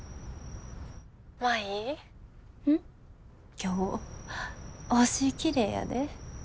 今日星きれいやで。